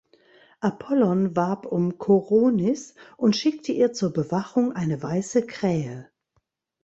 Apollon warb um Koronis und schickte ihr zur Bewachung eine weiße Krähe.